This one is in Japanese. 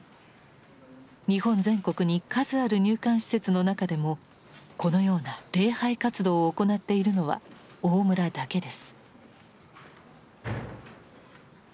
日本全国に数ある入管施設の中でもこのような礼拝活動を行っているのは大村だけです。